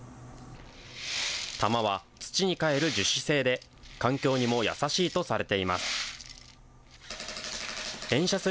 弾は土にかえる樹脂製で、環境にも優しいとされています。